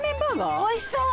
おいしそう。